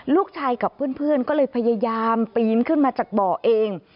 ลูกชายกับเพื่อนก็เลยพยายามปีนขึ้นมาจากบ่อเอง